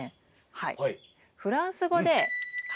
はい。